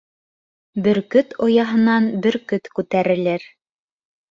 Бөркөт ояһынан бөркөт күтәрелер.